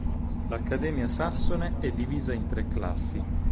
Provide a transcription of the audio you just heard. L'Accademia Sassone è divisa in tre classi.